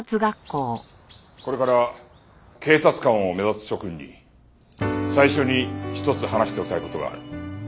これから警察官を目指す諸君に最初に一つ話しておきたい事がある。